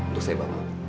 untuk saya bapak